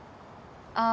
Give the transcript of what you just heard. ああ